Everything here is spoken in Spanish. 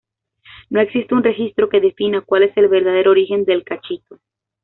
No existe un registro que defina cuál es el verdadero origen del cachito.